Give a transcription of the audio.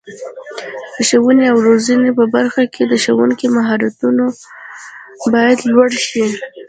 د ښوونې او روزنې په برخه کې د ښوونکو مهارتونه باید لوړ شي.